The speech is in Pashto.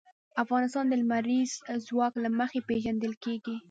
افغانستان د لمریز ځواک له مخې پېژندل کېږي.